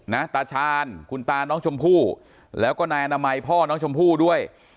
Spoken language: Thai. ตาชาญคุณตาน้องชมพู่แล้วก็นายอนามัยพ่อน้องชมพู่ด้วย